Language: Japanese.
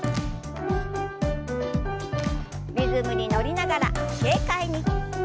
リズムに乗りながら軽快に。